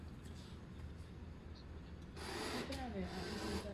Obsah je připravován každý den v Torontu.